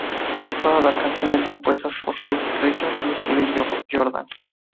Todas las canciones compuestas por Keith Richards y Steve Jordan.